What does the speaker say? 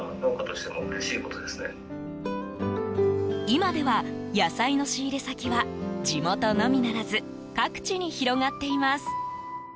今では、野菜の仕入れ先は地元のみならず各地に広がっています。